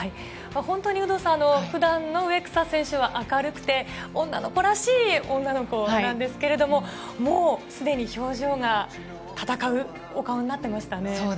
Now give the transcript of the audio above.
有働さん、普段の植草選手は明るくて女の子らしい女の子なんですけれど、すでに表情が戦うお顔になっていましたね。